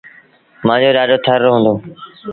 مآݩجو ڏآڏو ٿر رو هُݩدو۔